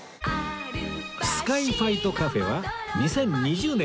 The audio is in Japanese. スカイファイトカフェは２０２０年にオープン